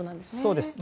そうです。